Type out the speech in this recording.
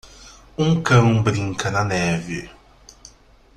Um cão brinca na neve.